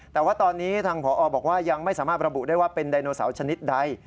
แต่ว่าตอนนี้ทางผอบอกว่ายังไม่สามารถระบุได้ว่าเป็นไดโนเสาร์ชนิดใด